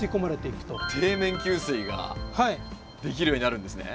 底面給水ができるようになるんですね。